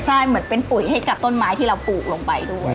ใช่เหมือนเป็นปุ๋ยให้กับต้นไม้ที่เราปลูกลงไปด้วย